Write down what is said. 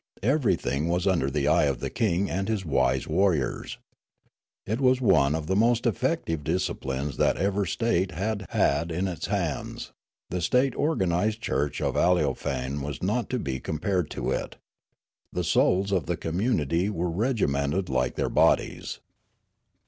Everything was under the eye of the king and his wise warriors. It was one of the most effective disciplines that ever state had had in its hands ; the state organised church of Aleofane was not to be compared to it. The souls of the community were regimented like their bodies.